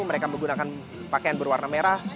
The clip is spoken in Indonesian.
mereka menggunakan pakaian berwarna merah